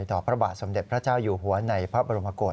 พระบาทสมเด็จพระเจ้าอยู่หัวในพระบรมกฏ